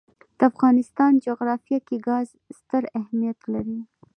د افغانستان جغرافیه کې ګاز ستر اهمیت لري.